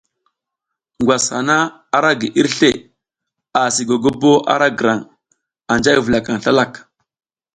Ngwas hana ara gi irsle asi gogobo ara grang, anja i vulakang slalak.